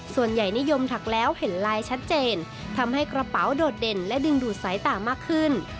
ส่วนใหญ่นิยมถักแล้วเห็นลายชัดเจนทำให้กระเป๋าโดดเด่นและดึงดูดสายตามากขึ้น